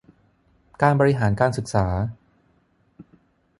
การบริหารการศึกษา